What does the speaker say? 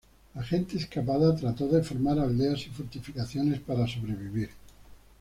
La gente escapada trató de formar aldeas y fortificaciones para sobrevivir.